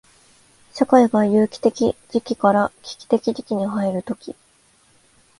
社会が有機的時期から危機的時期に入るとき、